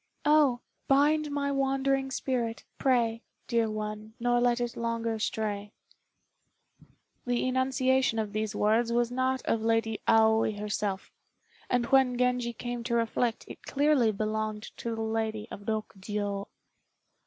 Oh, bind my wandering spirit, pray, Dear one, nor let it longer stray." The enunciation of these words was not that of Lady Aoi herself; and when Genji came to reflect, it clearly belonged to the Lady of Rokjiô.